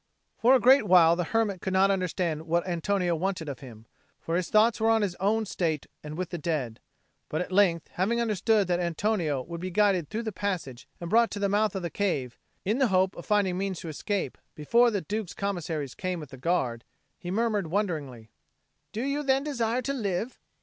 For a great while the hermit could not understand what Antonio wanted of him; for his thoughts were on his own state and with the dead; but at length having understood that Antonio would be guided through the passage and brought to the mouth of the cave, in the hope of finding means to escape before the Duke's Commissaries came with the Guard, he murmured wonderingly, "Do you then desire to live?"